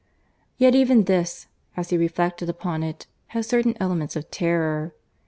Yet even this, as he reflected upon it, had certain elements of terror.